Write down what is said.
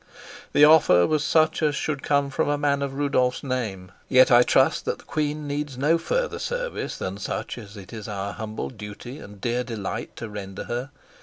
The offer was such as should come from a man of Rudolf's name, yet I trust that the queen needs no further service than such as it is our humble duty and dear delight to render her.